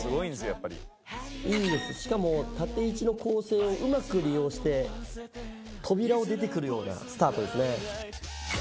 しかも縦一の構成をうまく利用して扉を出てくるようなスタートですね。